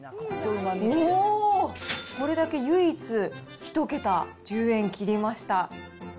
うおー、これだけ唯一、１桁、１０円切りました。